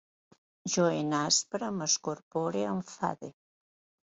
Jo enaspre, m'escorpore, enfade